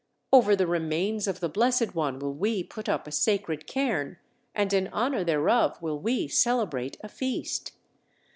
Over the remains of the Blessed One will we put up a sacred cairn, and in honor thereof will we celebrate a feast!"